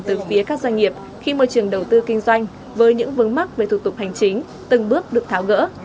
từ phía các doanh nghiệp khi môi trường đầu tư kinh doanh với những vướng mắc về thủ tục hành chính từng bước được tháo gỡ